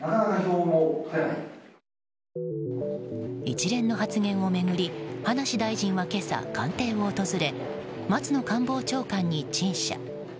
一連の発言を巡り葉梨大臣は今朝、官邸を訪れ松野官房長官に陳謝。